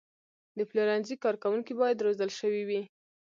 د پلورنځي کارکوونکي باید روزل شوي وي.